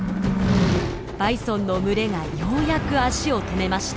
バイソンの群れがようやく足を止めました。